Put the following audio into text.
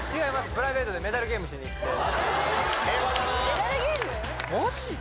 プライベートでメダルゲームしに行って・平和だなあマジで？